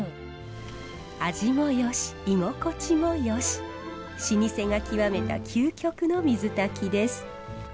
味もよし居心地もよし老舗が極めた究極の水炊きです。